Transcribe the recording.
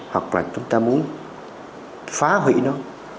hoặc là chúng ta muốn phá hủy nó